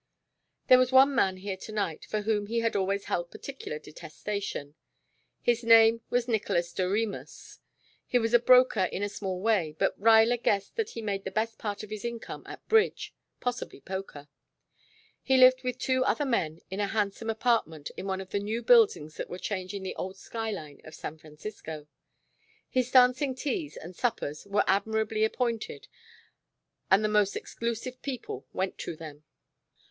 There was one man here to night for whom he had always held particular detestation. His name was Nicolas Doremus. He was a broker in a small way, but Ruyler guessed that he made the best part of his income at bridge, possibly poker. He lived with two other men in a handsome apartment in one of the new buildings that were changing the old skyline of San Francisco. His dancing teas and suppers were admirably appointed and the most exclusive people went to them.